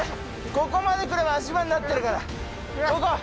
ここまで来れば足場になってるから。